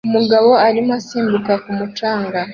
Umugabo arimo asimbuka ku mucanga